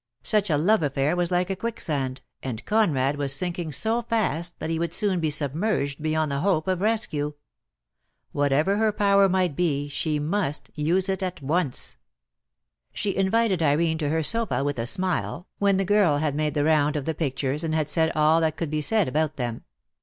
Such a love affair was like a quicksand, and Conrad was DEAD LOVE HAS CHAINS. 1 69 sinking so fast that he would soon be submerged beyond the hope of rescue. Whatever her power might be she must use it at once. She invited Irene to her sofa with a smile, when the girl had made the round of the pictures and had said all that could be said about them.